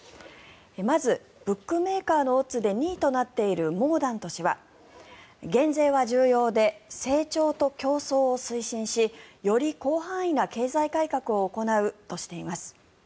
まず、ブックメーカーのオッズで２位となっているモーダント氏は減税は重要で成長と競争を推進しより広範囲な経済改革を行うとしています。